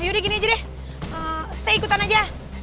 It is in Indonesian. yaudah gini aja deh saya ikutan aja